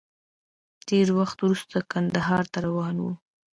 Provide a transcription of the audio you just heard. ډېر وخت وروسته کندهار ته روان وم.